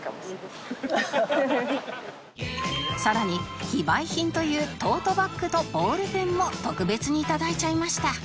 さらに非売品というトートバッグとボールペンも特別に頂いちゃいました